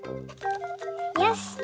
よし！